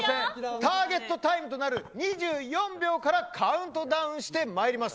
ターゲットタイムとなる２４秒からカウントダウンしてまいります。